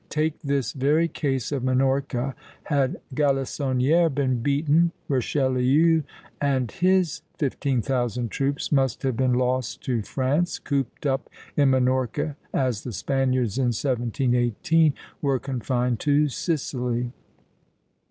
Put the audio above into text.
Take this very case of Minorca; had Galissonière been beaten, Richelieu and his fifteen thousand troops must have been lost to France, cooped up in Minorca, as the Spaniards, in 1718, were confined to Sicily.